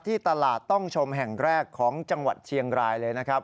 ที่ตลาดต้องชมแห่งแรกของจังหวัดเชียงรายเลยนะครับ